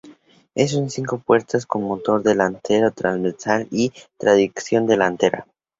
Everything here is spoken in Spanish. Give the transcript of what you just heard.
Es un cinco puertas con motor delantero transversal y tracción delantera.